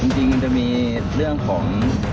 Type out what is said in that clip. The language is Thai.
จริงมันจะมีเรื่องของ